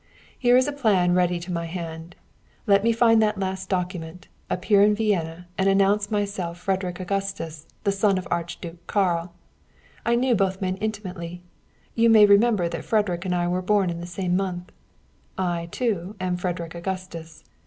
Here is a plan ready to my hand. Let me find that lost document, appear in Vienna and announce myself Frederick Augustus, the son of the Archduke Karl! I knew both men intimately. You may remember that Frederick and I were born in the same month. I, too, am Frederick Augustus!